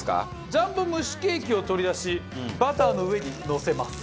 ジャンボむしケーキを取り出しバターの上にのせます。